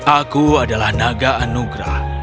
aku adalah naga anugrah